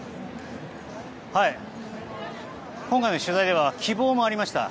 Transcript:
今回の取材では希望もありました。